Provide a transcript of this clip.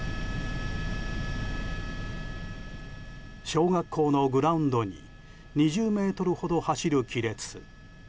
小学校のグラウンドに２０ｍほど走る亀裂。